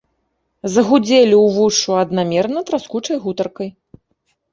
Загудзелі ўвушшу аднамерна траскучай гутаркай.